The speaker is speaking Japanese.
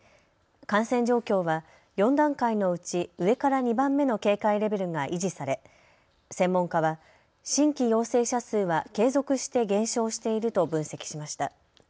感染状況は４段階のうち上から２番目の警戒レベルが維持され専門家は新規陽性者数は継続して減少していると分析しました。